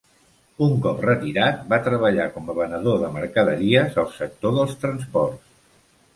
Un cop retirat, va treballar com a venedor de mercaderies al sector dels transports.